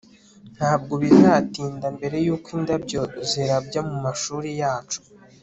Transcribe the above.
ntabwo bizatinda mbere yuko indabyo zirabya mumashuri yacu